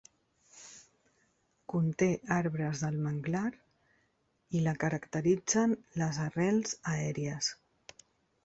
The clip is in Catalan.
Conté arbres del manglar, i la caracteritzen les arrels aèries.